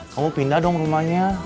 kamu pindah dong rumahnya